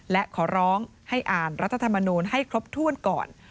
และขอร้องให้อ่านรัฐธรรมนูลให้ครบถ้วนก่อน